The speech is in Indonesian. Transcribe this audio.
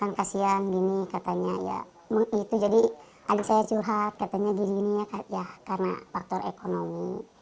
kan kasian gini katanya ya itu jadi adik saya curhat katanya gini gini ya karena faktor ekonomi